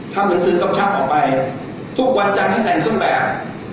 ถ้าเป็นสื่อกำชักออกไปทุกวันจังห้องแบบ